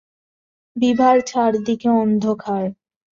বিভার চারিদিকে অন্ধকার!